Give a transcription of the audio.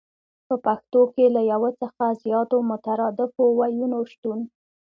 په پښتو کې له يو څخه زياتو مترادفو ويونو شتون